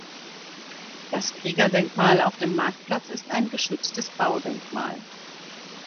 Das Kriegerdenkmal auf dem Marktplatz ist ein geschütztes Baudenkmal.